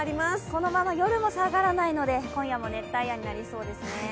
このまま夜も下がらないので、今夜も熱帯夜になりそうですね。